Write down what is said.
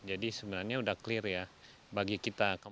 jadi sebenarnya sudah clear ya bagi kita